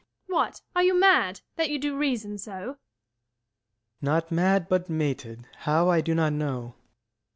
Luc. What, are you mad, that you do reason so? Ant. S. Not mad, but mated; how, I do not know.